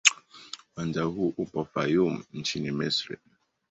Uwanja huu upo Fayoum nchini Misri.